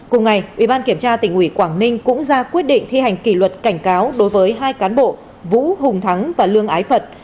cùng ngày ủy ban kiểm tra tỉnh ủy quảng ninh cũng ra quyết định thi hành kỷ luật cảnh cáo đối với hai cán bộ vũ hùng thắng và lương ái phật